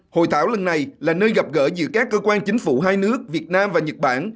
hội thảo lần này là nơi gặp gỡ giữa các cơ quan chính phủ hai nước việt nam và nhật bản